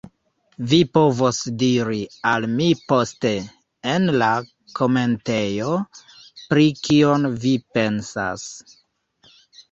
Vi povos diri al mi poste, en la komentejo, pri kion vi pensas.